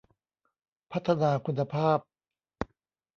พัฒนาคุณภาพ